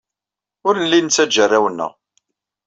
Ur nelli nettajja arraw-nneɣ.